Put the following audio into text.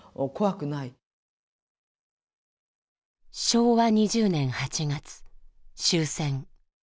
昭和２０年８月終戦。